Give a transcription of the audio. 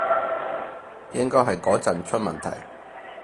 應該係嗰陣出問題